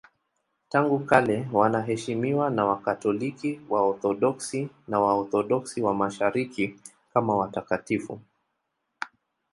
Tangu kale wanaheshimiwa na Wakatoliki, Waorthodoksi na Waorthodoksi wa Mashariki kama watakatifu.